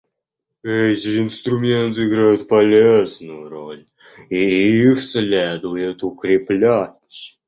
Эти инструменты играют полезную роль, и их следует укреплять.